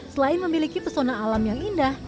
selain memiliki pesona alam yang indah